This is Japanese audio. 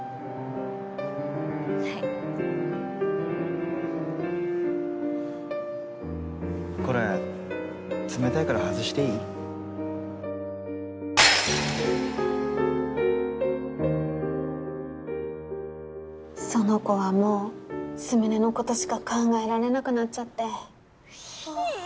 はいこれ冷たいから外していその子はもうスミレのことしか考えられなくなっちゃってひいー！